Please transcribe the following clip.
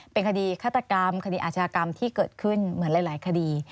เป็นคดีฆาตกรรมคดีอาชญากรรมที่เกิดขึ้นเหมือนหลายคดี